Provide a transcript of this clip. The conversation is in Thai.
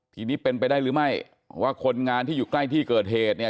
ทีนี้เป็นไปได้หรือไม่ว่าคนงานที่อยู่ใกล้ที่เกิดเหตุเนี่ย